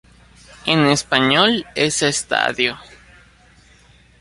En español, es estadio.